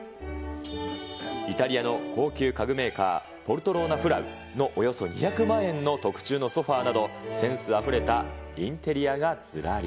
イタリアの高級家具メーカー、ポルトローナ・フラウのおよそ２００万円の特注のソファなど、センスあふれたインテリアがずらり。